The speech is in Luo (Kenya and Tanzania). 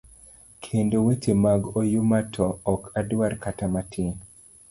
Kendo weche mag oyuma to ok adwar kata matin.